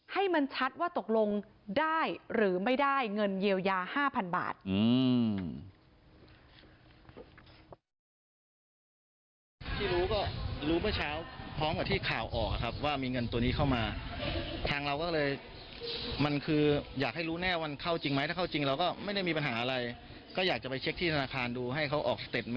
ให้มันชัดว่าตกลงได้หรือไม่ได้เงินเยียวยา๕๐๐๐บาท